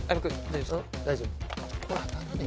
大丈夫。